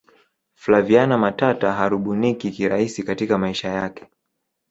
flaviana matata harubuniki kirahisi katika maisha yake